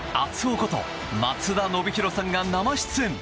こと松田宣浩さんが生出演！